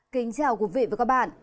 kính chào quý vị và các bạn